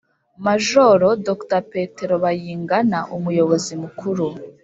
majoro dr. petero bayingana: umuyobozi mukuru